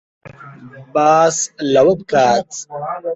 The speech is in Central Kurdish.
باس لەوە بکات